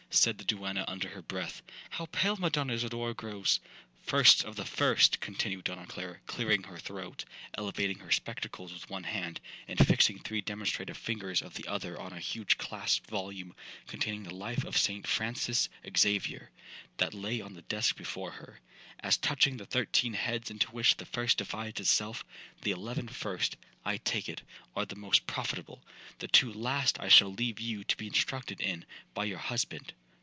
said the duenna under her breath, 'how pale Madonna Isidora grows!'—'First of the first,' continued Donna Clara, clearing her throat, elevating her spectacles with one hand, and fixing three demonstrative fingers of the other on a huge clasped volume, containing the life of St Francis Xavier, that lay on the desk before her,—'as touching the thirteen heads into which the first divides itself, the eleven first, I take it, are the most profitable—the two last I shall leave you to be instructed in by your husband.